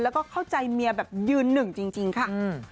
แล้วก็เข้าใจเมียแบบยืนหนึ่งจริงค่ะ